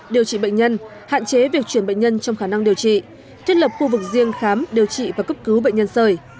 điều trị bệnh nhân hạn chế việc chuyển bệnh nhân trong khả năng điều trị thiết lập khu vực riêng khám điều trị và cấp cứu bệnh nhân sởi